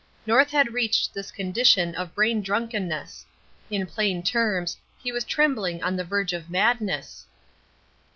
North had reached this condition of brain drunkenness. In plain terms, he was trembling on the verge of madness.